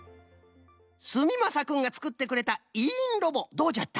すみまさくんがつくってくれたいいんロボどうじゃった？